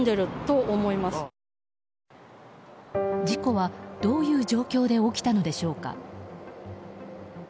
事故は、どういう状況で起きたのでしょうか。